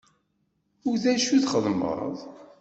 U d acu i txeddmeḍ?